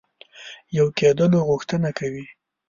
یو کېدلو غوښتنه کوي.